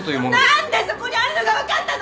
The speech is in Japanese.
何でそこにあるのが分かったの！？